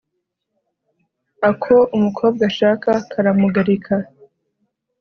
ako umukobwa ashaka karamugarika